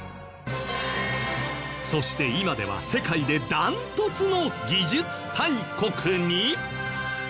そして今では世界でダントツの技術大国に！？